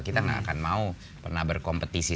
kita nggak akan mau pernah berkompetisi